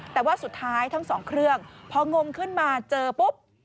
แต่ว่าสุดท้ายทั้งสองเครื่องพองมขึ้นมาเจอปุ๊บ